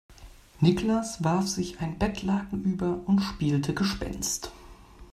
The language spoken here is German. Niklas warf sich ein Bettlaken über und spielte Gespenst.